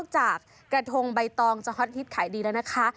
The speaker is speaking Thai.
จากกระทงใบตองจะฮอตฮิตขายดีแล้วนะคะ